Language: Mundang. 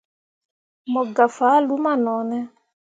Mo gah fah luma no ne.